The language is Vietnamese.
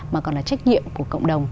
mà còn là trách nhiệm của cộng đồng